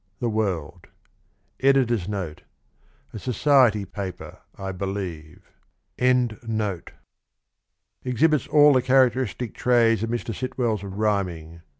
— The World. [Editor's Note. — A society paper, I believe.] Exhibits all the characteristic traits of Mr. Sitwell's rhyming